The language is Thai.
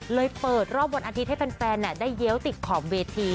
เปิดรอบวันอาทิตย์ให้แฟนได้เลี้ยวติดขอบเวที